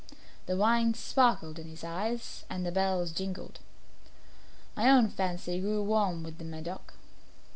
The wine sparkled in his eyes and the bells jingled. My own fancy grew warm with the Medoc.